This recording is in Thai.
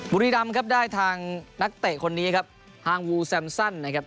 บุรีรำครับได้ทางนักเตะคนนี้ครับฮางวูแซมซันนะครับ